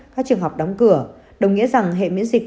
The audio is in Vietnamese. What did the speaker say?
các trường học đóng cửa đồng nghĩa rằng hệ miễn dịch